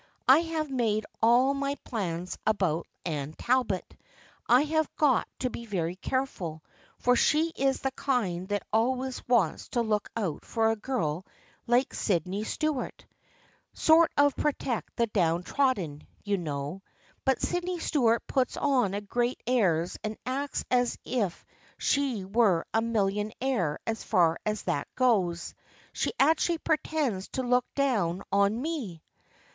I have made all my plans about Anne Talbot. I have got to be very careful, for she is the kind that al ways wants to look out for a girl like Sydney Stu THE FEIENDSHIP OF ANNE 33 art. Sort of protect the down trodden, you know. But Sydney Stuart puts on great airs and acts as if she were a millionaire as far as that goes. She actually pretends to look down on me